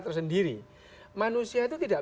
tersendiri manusia itu tidak